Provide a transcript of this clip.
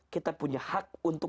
kita punya hak untuk